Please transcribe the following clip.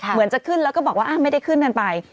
เหมือนจะขึ้นแล้วก็บอกว่าไม่ได้ขึ้นกันไป